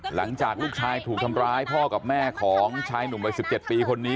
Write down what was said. หลังจากลูกชายถูกทำร้ายพ่อกับแม่ของชายหนุ่มวัย๑๗ปีคนนี้